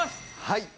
はい。